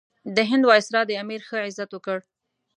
د هند وایسرا د امیر ښه عزت وکړ.